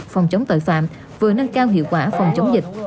phòng chống tội phạm vừa nâng cao hiệu quả phòng chống dịch